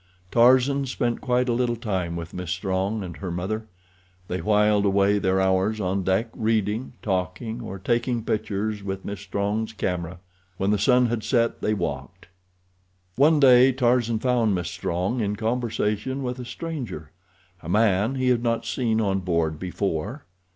Tarzan spent quite a little time with Miss Strong and her mother. They whiled away their hours on deck reading, talking, or taking pictures with Miss Strong's camera. When the sun had set they walked. One day Tarzan found Miss Strong in conversation with a stranger, a man he had not seen on board before.